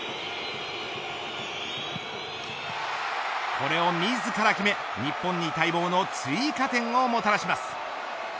これを自ら決め日本に待望の追加点をもたらします。